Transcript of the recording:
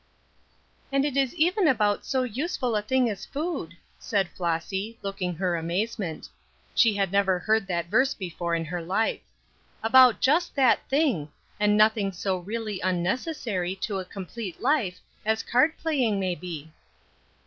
"And it is even about so useful a thing as food," said Flossy, looking her amazement; she had never heard that verse before in her life. "About just that thing; and nothing so really unnecessary to a complete life as card playing may be."